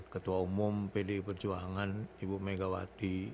ketua umum pdi perjuangan ibu megawati